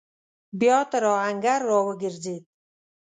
بيا تر آهنګر راوګرځېد.